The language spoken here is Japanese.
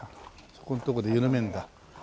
そこんとこで緩めるんだ。